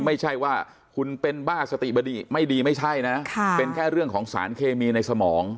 ไม่ใช่ว่าคุณเป็นบ้าสติบดีไม่ดีไม่ใช่นะเป็นแค่เรื่องของสารเคมีในสมอง